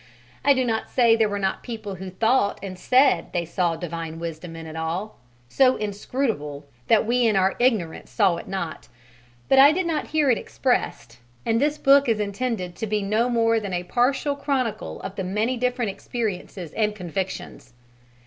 I do not say there were not people who thought and said they saw Divine Wisdom in it all, so inscrutable that we in our ignorance saw it not; but I did not hear it expressed, and this book is intended to be no more than a partial chronicle of the many different experiences and convictions.